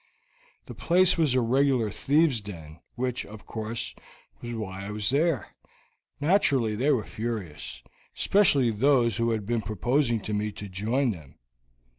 "The place was a regular thieves' den, which, of course, was why I went there. Naturally they were furious, especially those who had been proposing to me to join them.